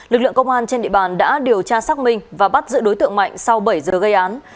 lực lượng công an trên địa bàn đã điều tra xác minh và bắt giữ đối tượng mạnh sau bảy giờ gây án